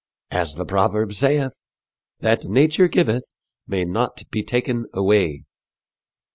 As the proverb saythe, 'that nature gyveth may not be taken away.'"